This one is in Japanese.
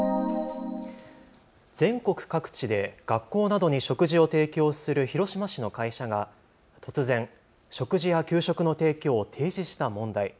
全国各地で学校などに食事を提供する広島市の会社が突然、食事や給食の提供を停止した問題。